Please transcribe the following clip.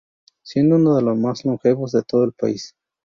Siendo uno de los más longevos de todo el país.